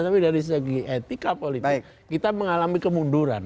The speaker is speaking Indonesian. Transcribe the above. tapi dari segi etika politik kita mengalami kemunduran